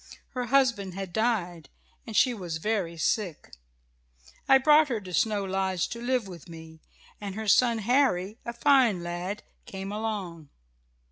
Her husband had died, and she was very sick. I brought her to Snow Lodge to live with me, and her son, Harry, a fine lad, came along.